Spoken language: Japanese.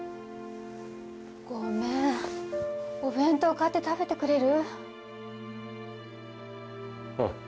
ごめんお弁当買って食べてくれる？